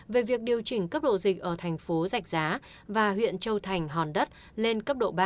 về việc điều chỉnh cấp độ dịch ở thành phố giạch giá và huyện châu thành hòn đất lên cấp độ ba